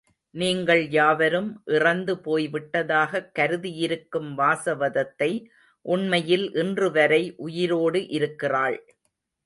நீங்கள் யாவரும் இறந்து போய்விட்டதாகக் கருதியிருக்கும் வாசவதத்தை, உண்மையில் இன்றுவரை உயிரோடு இருக்கிறாள்.